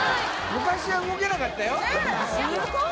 昔は動けなかったよ。